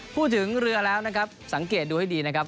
พูดถึงเรือแล้วนะครับสังเกตดูให้ดีนะครับ